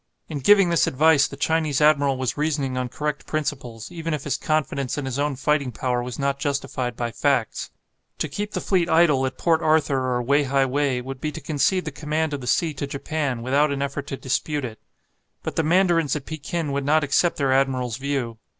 In giving this advice the Chinese admiral was reasoning on correct principles, even if his confidence in his own fighting power was not justified by facts. To keep the fleet idle at Port Arthur or Wei hai wei would be to concede the command of the sea to Japan, without an effort to dispute it. But the mandarins at Pekin would not accept their admiral's view.